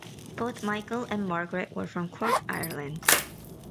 Both Michael and Margaret were from Cork, Ireland.